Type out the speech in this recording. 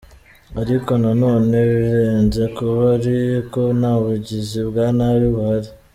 Ariko na none birenze kuba ari uko nta bugizi bwa nabi buhari.